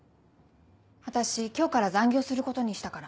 私今日から残業することにしたから。